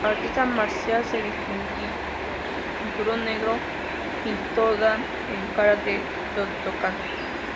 Artista marcial, es cinturón negro quinto dan en Karate Shotokan.